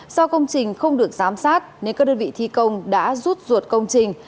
do công trình không được giám sát nên các đơn vị thi công đã rút ruột công trình